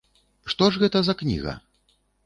Што ж гэта за кніга?